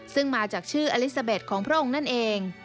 ซึ่งมาจากชื่ออลิซาเบสของพระองค์นั่นเอง